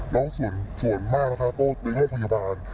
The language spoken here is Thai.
แล้วส่วนมากราศาสตร์โต๊ะในห้องพยาบาล